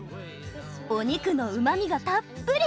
お肉のうまみがたっぷり。